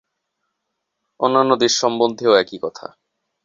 অন্যান্য দেশ সম্বন্ধেও একই কথা।